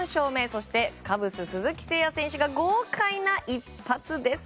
そしてカブス、鈴木誠也選手が豪快な一発です。